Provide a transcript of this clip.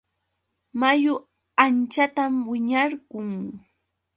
Mayu anchatam wiñarqun.